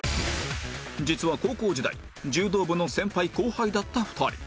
実は高校時代柔道部の先輩後輩だった２人